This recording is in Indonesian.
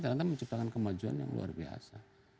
dan menciptakan kemajuan yang luar biasa